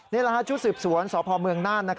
นี่แหละฮะชุดสืบสวนสพเมืองน่าน